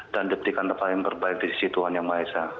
dan diberikan terbaik dan berbaik di sisi tuhan yang maha esa